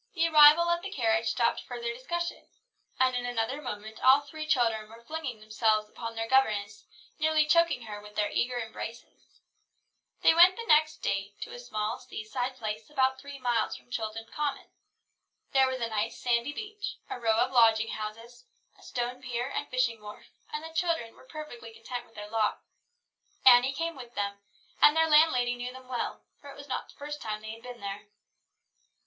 The arrival of the carriage stopped further discussion, and in another moment all three children were flinging themselves upon their governess, nearly choking her with their eager embraces. They went the next day to a small seaside place about three miles from Chilton Common. There was a nice sandy beach, a row of lodging houses, a stone pier and fishing wharf; and the children were perfectly content with their lot. Annie came with them, and their landlady knew them well, for it was not the first time they had been there.